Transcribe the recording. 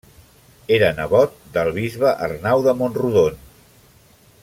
Era nebot del bisbe Arnau de Mont-rodon.